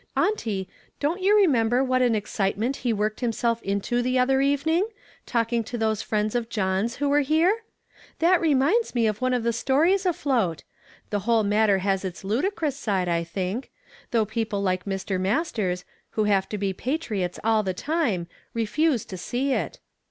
Auntie, don't you remend)er what an excitement he worked himself into the other evening, talking to those friends of John's who were here ? That reminds me of one of the stories afloat. The whole matter has its ludicrous side, I think; though people like Mr. Masters, who have to be patriots all the time, refuse to see it.